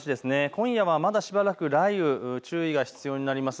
今夜はまだしばらく雷雨、注意が必要になります。